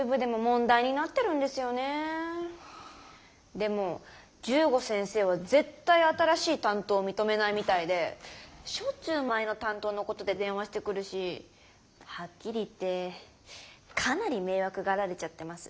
でも十五先生は絶対新しい担当を認めないみたいでしょっちゅう前の担当のことで電話してくるしはっきり言ってかなり迷惑がられちゃってます。